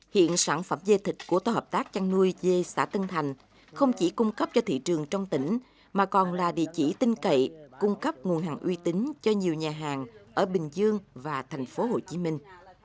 hiện sản phẩm dê thịt của tổ hợp tác chăn nuôi dê xã tân thành không chỉ cung cấp cho thị trường trong tỉnh mà còn là địa chỉ tin cậy cung cấp nguồn hàng uy tín cho nhiều nhà hàng ở bình dương và thành phố hồ chí minh